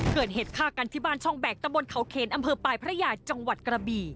เกิดเหตุฆ่ากันที่บ้านช่องแบกตะบนเขาเขนอำเภอปลายพระยาจังหวัดกระบี่